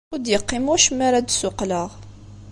Ur d-yeqqim wacemma ara d-ssuqqleɣ.